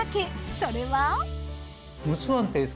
それは。